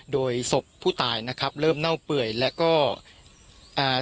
โดยศพผู้ตายนะครับเริ่มเน่าเปื่อยแล้วก็อ่า